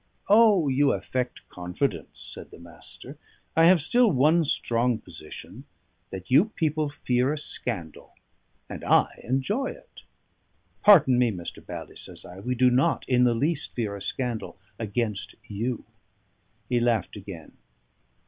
"O! you affect confidence," said the Master. "I have still one strong position that you people fear a scandal, and I enjoy it." "Pardon me, Mr. Bally," says I. "We do not in the least fear a scandal against you." He laughed again.